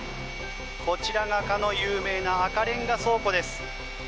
こちらがかの有名な赤レンガ倉庫です。